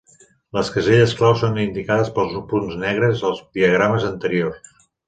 Les caselles clau són indicades pels punts negres als diagrames anteriors.